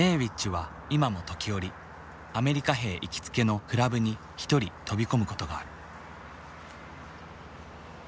Ａｗｉｃｈは今も時折アメリカ兵行きつけのクラブに一人飛び込むことがある。